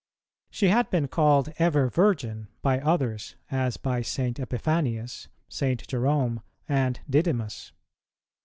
She had been called Ever Virgin by others, as by St. Epiphanius, St. Jerome, and Didymus.